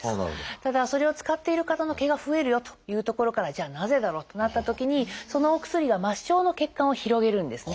ただそれを使っている方の毛が増えるよというところからじゃあなぜだろうとなったときにそのお薬が末梢の血管を広げるんですね。